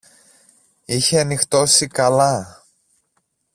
Είχε νυχτώσει καλά.